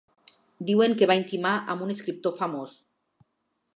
Diuen que va intimar amb un escriptor famós.